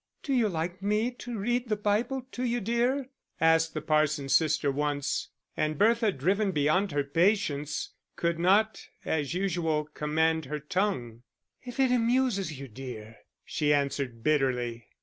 "Do you like me to read the Bible to you, dear?" asked the parson's sister once. And Bertha, driven beyond her patience, could not as usual command her tongue. "If it amuses you, dear," she answered, bitterly.